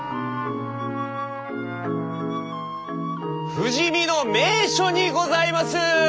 富士見の名所にございます！